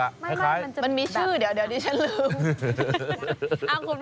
มันมีชื่อเดี๋ยวดิฉันลืม